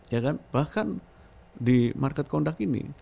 ya kan bahkan di market conduct ini